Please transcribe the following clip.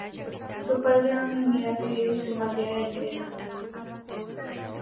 Su padre era un inmigrante griego y su madre era inglesa.